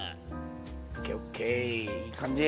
いい感じ。